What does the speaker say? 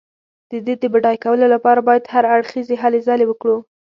د دې د بډای کولو لپاره باید هر اړخیزې هلې ځلې وکړو.